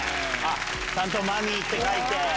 ちゃんとマミィって書いて。